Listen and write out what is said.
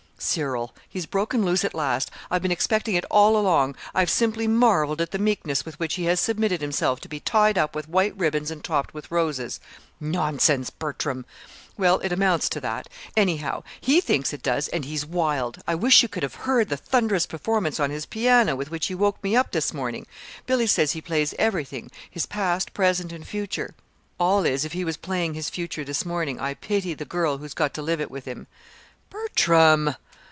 "Cyril. He's broken loose at last. I've been expecting it all along. I've simply marvelled at the meekness with which he has submitted himself to be tied up with white ribbons and topped with roses." "Nonsense, Bertram!" "Well, it amounts to that. Anyhow, he thinks it does, and he's wild. I wish you could have heard the thunderous performance on his piano with which he woke me up this morning. Billy says he plays everything his past, present, and future. All is, if he was playing his future this morning, I pity the girl who's got to live it with him." "Bertram!"